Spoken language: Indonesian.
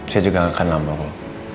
saya juga gak akan lama om